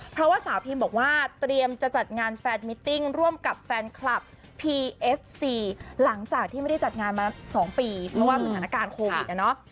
เพราะว่าสาวพิมบอกว่าเตรียมจะจัดงานแฟนมิตติ้งร่วมกับแฟนคลับพีเอฟซีหลังจากที่ไม่ได้จัดงานมา๒ปีเพราะว่าสถานการณ์โควิดนะเนาะ